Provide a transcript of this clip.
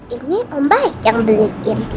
ini pembaik yang beliin